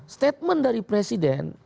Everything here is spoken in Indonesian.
statement dari presiden